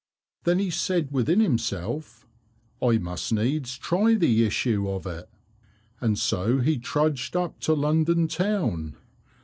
Then he said within himself, "I must needs try the issue of it," and so he trudged up to London town.